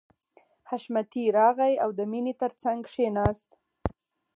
حشمتي راغی او د مینې تر څنګ کښېناست